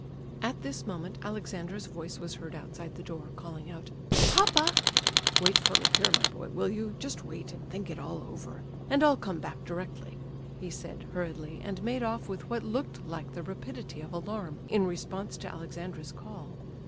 At this moment Alexandra's voice was heard outside the door, calling out "Papa!" "Wait for me here, my boy—will you? Just wait and think it all over, and I'll come back directly," he said hurriedly, and made off with what looked like the rapidity of alarm in response to Alexandra's call.